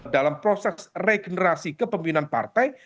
dalam proses regenerasi kepemimpinan partai